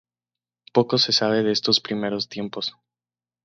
Poco se sabe de estos primeros tiempos.